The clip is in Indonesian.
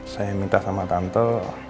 saya minta sama tante